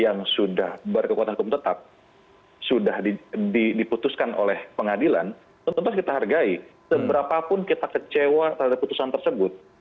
yang sudah berkekuatan hukum tetap sudah diputuskan oleh pengadilan tentu kita hargai seberapapun kita kecewa terhadap putusan tersebut